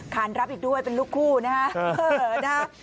ขานรับอีกด้วยเป็นลูกคู่นะฮะ